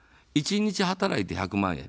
１日働いて１００万円。